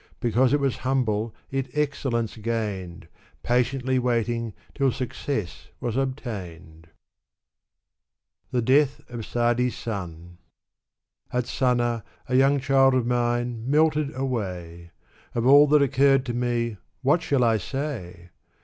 Because it was humble it excellence gained ; Patiently waiting till success was obtained. The Death of Sa'di's Son. At Sana^ a young child of mine melted away ; Of all that occurred to me, what shall I say?